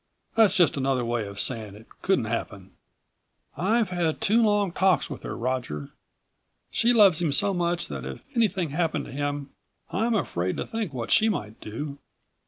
That's just another way of saying it couldn't happen." "I've had two long talks with her, Roger. She loves him so much that if anything happened to him I'm afraid to think what she might do.